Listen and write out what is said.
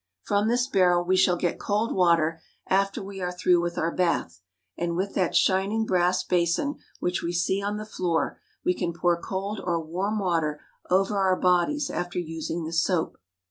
From this barrel we shall get cold water after we are through with our bath ; and with that shining brass basin which we see on the floor, we can pour cold or warm water over our bodies after using the soap.